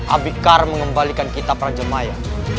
abikar mengembalikan kita pranja maya